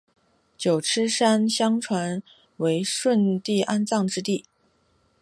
九嶷山相传为舜帝安葬之地。